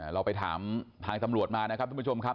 เราไปถามทางตำรวจมานะครับทุกผู้ชมครับ